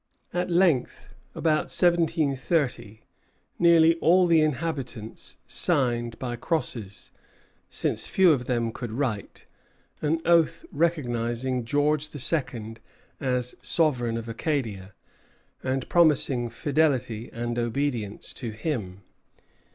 At length, about 1730, nearly all the inhabitants signed by crosses, since few of them could write, an oath recognizing George II. as sovereign of Acadia, and promising fidelity and obedience to him.